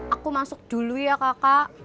aku masuk dulu ya kakak